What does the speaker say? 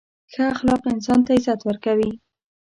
• ښه اخلاق انسان ته عزت ورکوي.